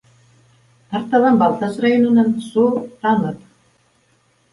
Артабан Балтас районынан - су-танып;